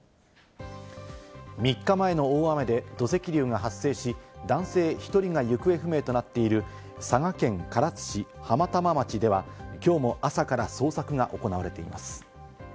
３日前の大雨で土石流が発生し、男性１人が行方不明となっている佐賀県唐津市浜玉町では、きょうも朝から捜索が行われています。